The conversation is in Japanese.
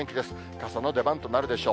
傘の出番となるでしょう。